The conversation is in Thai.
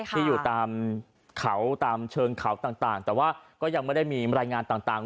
ที่อยู่ตามเขาตามเชิงเขาต่างแต่ว่าก็ยังไม่ได้มีรายงานต่าง